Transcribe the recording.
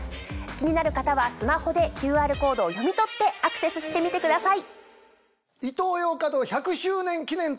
気になる方はスマホでＱＲコードを読み取ってアクセスしてみてください。